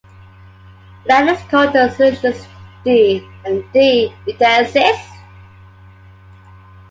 Let us call the solutions "d" and "d", if they exist.